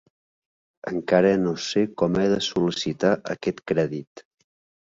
Encara no sé com he de sol·licitar aquest crèdit.